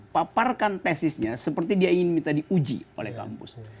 paparkan tesisnya seperti dia ingin minta diuji oleh kampus